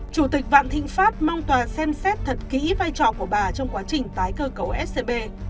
chủ tịch vạn thịnh pháp mong tòa xem xét thật kỹ vai trò của bà trong quá trình tái cơ cấu scb